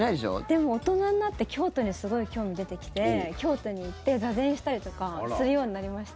でも大人になって京都にすごい興味出てきて京都に行って座禅したりとかするようになりました。